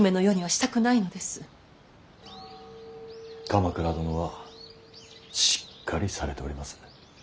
鎌倉殿はしっかりされております。